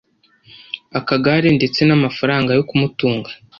akagare ndetse n amafaranga yo kumutunga